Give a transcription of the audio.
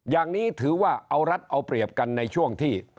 อย่างนี้ถือว่าเอารัฐเอาเปรียบกันในช่วงที่